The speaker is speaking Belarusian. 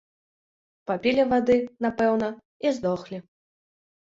Папілі вады, напэўна, і здохлі.